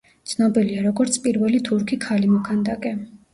ცნობილია, როგორც პირველი თურქი ქალი მოქანდაკე.